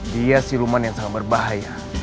dia siluman yang sangat berbahaya